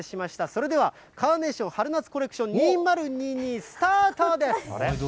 それでは、カーネーション春夏コレクション２０２２スタートです。